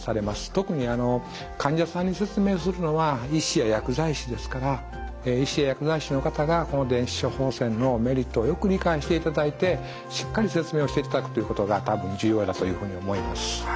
特に患者さんにお勧めするのは医師や薬剤師ですから医師や薬剤師の方がこの電子処方箋のメリットをよく理解していただいてしっかり説明をしていただくということが多分重要だというふうに思います。